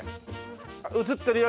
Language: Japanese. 映ってるよ